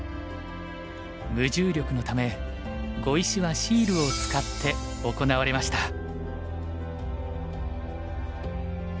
無重力のため碁石はシールを使って行われました。